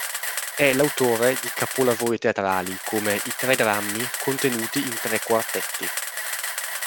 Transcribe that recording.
È l'autore di capolavori teatrali come i tre drammi contenuti in "Tre quartetti".